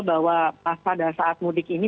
bahwa pada saat mudik ini